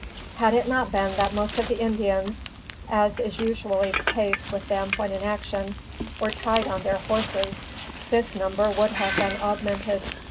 Had it not been that most of the Indians, as is usually the case with them when in action, were tied on their horses, this number would have been augmented.